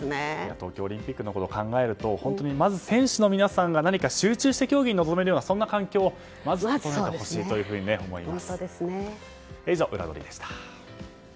東京オリンピックのことを考えると選手の皆さんが集中して競技に臨める環境にしてほしいと思います。